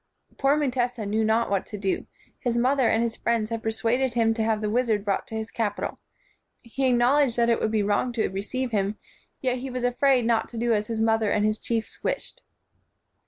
Poor Mutesa knew not what to do. His mother and his friends had persuaded him to have the wizard brought to his capital. He acknowledged that it would be wrong to receive him; yet he was afraid not to do as his mother and his chiefs wished.